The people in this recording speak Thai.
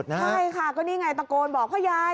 ใช่ค่ะก็นี่ไงตะโกนบอกพ่อยาย